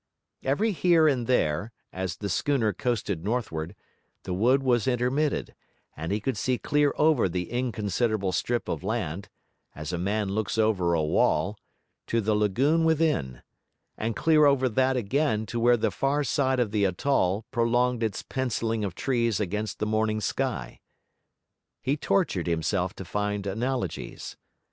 Every here and there, as the schooner coasted northward, the wood was intermitted; and he could see clear over the inconsiderable strip of land (as a man looks over a wall) to the lagoon within and clear over that again to where the far side of the atoll prolonged its pencilling of trees against the morning sky. He tortured himself to find analogies.